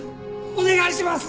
お願いします！